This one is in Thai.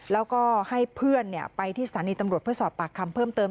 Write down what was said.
แล้วก็ให้เพื่อนไปที่สถานีตำรวจเพื่อสอบปากคำเพิ่มเติม